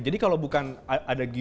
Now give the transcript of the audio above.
pancasila itu bukan negara agama